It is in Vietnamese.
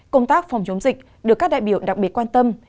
công tác phòng chống dịch được các đại biểu đặc biệt quan tâm